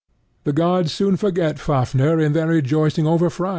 The gods soon forget Fafnir in their rejoicing over Freia.